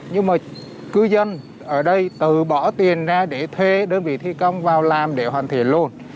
nhưng mà cư dân ở đây từ bỏ tiền ra để thuê đơn vị thi công vào làm để hoàn thiện luôn